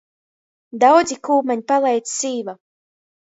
Daudzi kū maņ paleidz sīva.